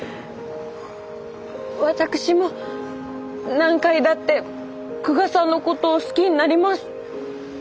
私も何回だって久我さんのことを好きになります。